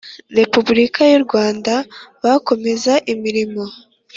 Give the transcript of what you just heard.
Repubulika y u Rwanda bakomeza imirimo